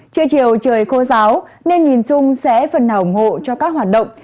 trưa chiều trời khô giáo nên nhìn chung sẽ phần nào ủng hộ cho các hoạt động